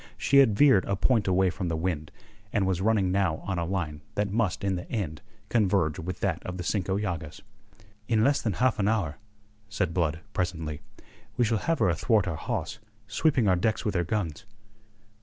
She had veered a point away from the wind, and was running now on a line that must in the end converge with that of the Cinco Llagas. "In less than half an hour," said Blood presently, "we shall have her athwart our hawse, sweeping our decks with her guns."